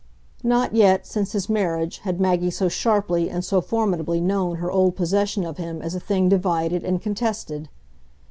Not yet, since his marriage, had Maggie so sharply and so formidably known her old possession of him as a thing divided and contested.